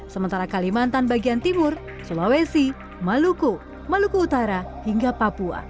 sementara kalimantan bagian timur sulawesi maluku maluku utara hingga papua